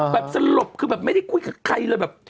แบบสลบคือแบบไม่ได้ไฆ่กับใครเลย